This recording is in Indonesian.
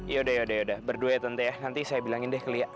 yaudah berdua ya tante nanti saya bilangin deh ke lia